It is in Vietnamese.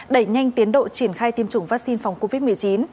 đẩy nhanh tiến độ triển khai tiêm chủng vaccine phòng covid một mươi chín